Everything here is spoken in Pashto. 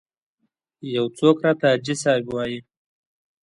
یو څوک راته حاجي صاحب وایي.